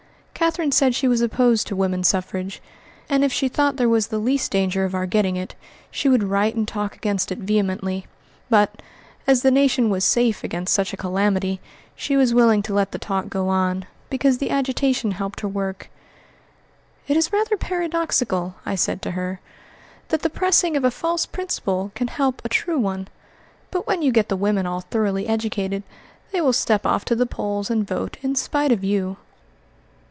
Catherine said she was opposed to woman suffrage, and if she thought there was the least danger of our getting it, she would write and talk against it vehemently. But, as the nation was safe against such a calamity, she was willing to let the talk go on, because the agitation helped her work. "It is rather paradoxical," I said to her, "that the pressing of a false principle can help a true one; but when you get the women all thoroughly educated, they will step off to the polls and vote in spite of you."